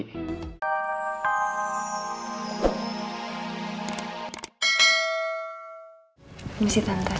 ini si tante